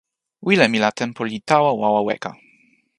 wile mi la tenpo li tawa wawa weka.